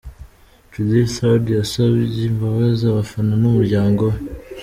Judith Heard yasabye imbabazi abafana n’umuryango we.